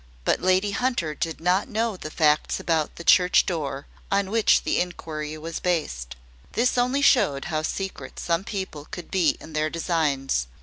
But Lady Hunter did not know the facts about the church door, on which the inquiry was based. This only showed how secret some people could be in their designs.